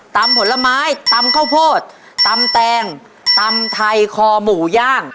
ผลไม้ตำข้าวโพดตำแตงตำไทยคอหมูย่าง